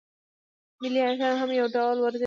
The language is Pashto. ملي اتڼ هم یو ډول ورزش دی.